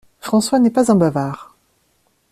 François n’est pas un bavard.